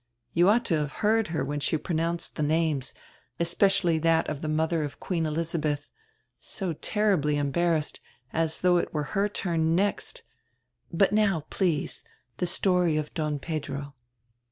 You ought to have heard her when she pronounced die names, especially that of die mother of queen Elizabeth — so terribly embarrassed, as though it were her turn next — But now, please, die story of Don Pedro."